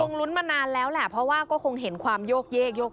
ลุ้นมานานแล้วแหละเพราะว่าก็คงเห็นความโยกเยก